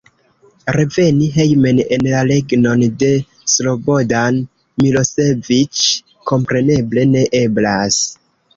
Reveni hejmen en la regnon de Slobodan Miloseviĉ, kompreneble, ne eblas.